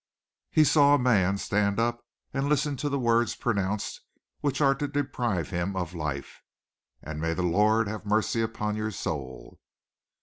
He saw a man stand up and listen to the words pronounced which are to deprive him of life, "And may the Lord have mercy upon your soul!"